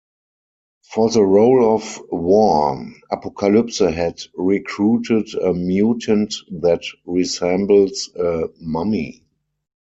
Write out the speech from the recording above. For the role of War, Apocalypse had recruited a mutant that resembles a mummy.